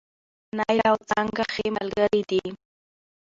نايله او څانګه ښې ملګرې دي